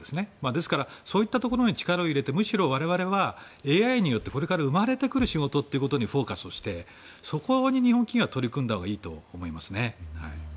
ですから、そういったところに力を入れてむしろ、我々はＡＩによってこれから生まれてくる仕事にフォーカスをしてそこに日本企業は取り組んだほうがいいと思いますね。